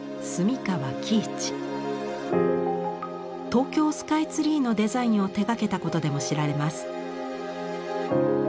東京スカイツリーのデザインを手がけたことでも知られます。